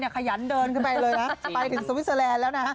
เป็นตอนที่สวีรต์แล้ว